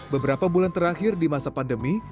beberapa bulan terakhir di masa pandemi